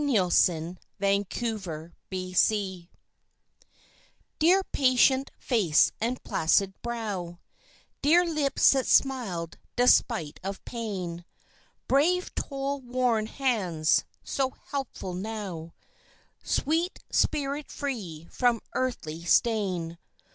"God Bless You, Dear" Dear patient face and placid brow, Dear lips that smiled despite of pain, Brave toil worn hands, so helpful now, Sweet spirit free from earthly stain.